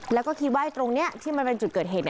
แล้วก็คิดว่าตรงนี้ที่มันเป็นจุดเกิดเหตุ